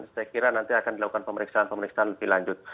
saya kira nanti akan dilakukan pemeriksaan pemeriksaan lebih lanjut